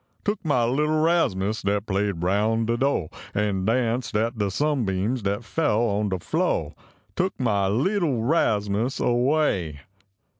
Took my little Rasmus dat played roun de do An danced at de sunbeams dat fell on de flo , Took my leetle Rasmus away.